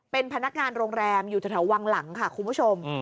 เป็นพนักงานโรงแรมอยู่แถววังหลังค่ะคุณผู้ชม